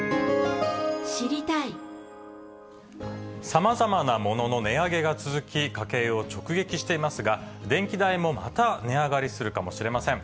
さまざまなものの値上げが続き、家計を直撃していますが、電気代もまた値上がりするかもしれません。